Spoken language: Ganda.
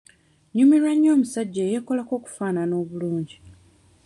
Nnyumirwa nnyo omusajja eyeekolako okufaanana obulungi.